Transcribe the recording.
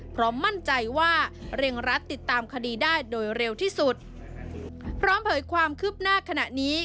พร้อมมั่นใจว่าเร่งรัดติดตามคดีได้โดยเร็วที่สุดพร้อมเผยความคืบหน้าขณะนี้